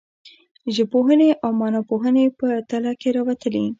ژبپوهنې او معناپوهنې په تله کې راوتلي.